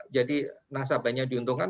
jadi nasabahnya diuntungkan